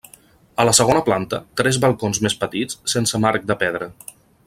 A la segona planta, tres balcons més petits, sense marc de pedra.